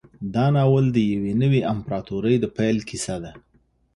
دا ناول د یوې نوې امپراطورۍ د پیل کیسه ده.